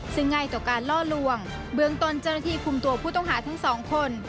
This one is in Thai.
ซึ่งง่ายต่อการล่อลวงเบื้องต้นเจ้าหน้าที่คุมตัวผู้ต้องหาทั้งสองคน